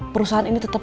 perusahaan ini tetap